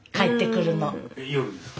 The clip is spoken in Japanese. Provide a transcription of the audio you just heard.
夜ですか？